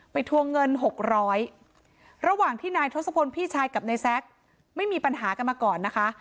ทวงเงินหกร้อยระหว่างที่นายทศพลพี่ชายกับนายแซคไม่มีปัญหากันมาก่อนนะคะ